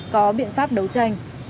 có biện pháp đấu tranh